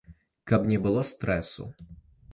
Каб не было стрэсу!